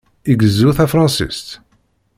Igezzu tafṛensist?